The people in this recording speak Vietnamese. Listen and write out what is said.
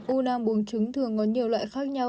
u nang bồng trứng thường có nhiều loại khác nhau